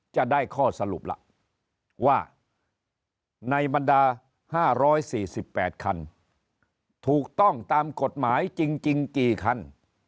จะได้ข้อสรุปล่ะว่าในบรรดา๕๔๘คันถูกต้องตามกฎหมายจริงกี่คัน